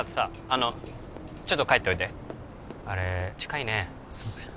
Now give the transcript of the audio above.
あのちょっと帰っておいであれ近いねすいません